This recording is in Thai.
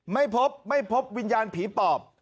ไม่พบไม่พบวิญญาณผีปอบ